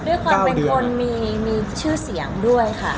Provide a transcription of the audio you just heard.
ด้วยความเป็นคนมีชื่อเสียงด้วยค่ะ